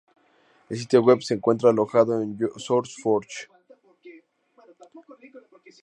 El sitio web se encuentra alojado en SourceForge.